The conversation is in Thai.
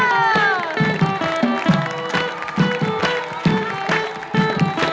โอ้โฮ